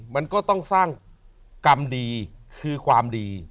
มันก็ต้องสร้างกรรมดีคือความดี